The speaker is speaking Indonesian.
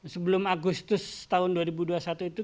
sebelum agustus tahun dua ribu dua puluh satu itu